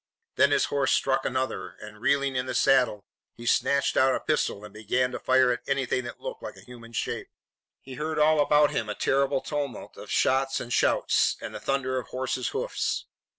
Then his horse struck another, and, reeling in the saddle, he snatched out a pistol and began to fire at anything that looked like a human shape. He heard all about him a terrible tumult of shots and shouts and the thunder of horses' hoofs.